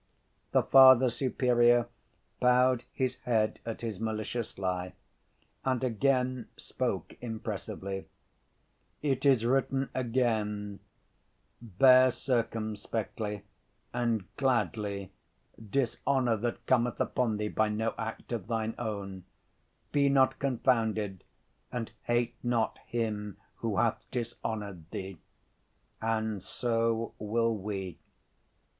The Father Superior bowed his head at his malicious lie, and again spoke impressively: "It is written again, 'Bear circumspectly and gladly dishonor that cometh upon thee by no act of thine own, be not confounded and hate not him who hath dishonored thee.' And so will we."